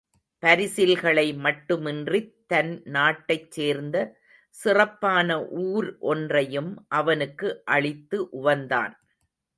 பரிசில்களை மட்டுமின்றித் தன் நாட்டைச் சேர்ந்த சிறப்பான ஊர் ஒன்றையும் அவனுக்கு அளித்து உவந்தான்.